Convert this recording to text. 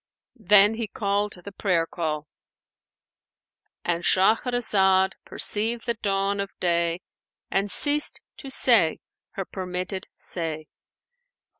Then he called the prayer call,—And Shahrazad perceived the dawn of day and ceased to say her permitted say.